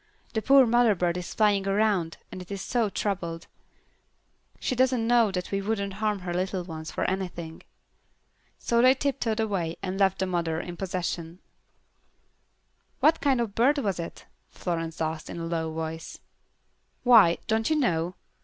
"The poor mother bird is flying around, and is so troubled. She doesn't know that we wouldn't harm her little ones for anything." So they tiptoed away and left the mother in possession. "What kind of bird was it?" Florence asked, in a low voice. "Why, don't you know?